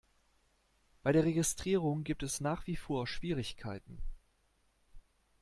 Bei der Registrierung gibt es nach wie vor Schwierigkeiten.